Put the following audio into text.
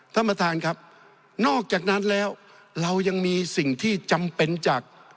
ท่านประธานครับนอกจากนั้นแล้วเรายังมีสิ่งที่จำเป็นจาก